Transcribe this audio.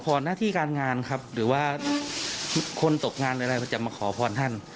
หน้าที่การงานครับหรือว่าคนตกงานหรืออะไรเราจะมาขอพรท่าน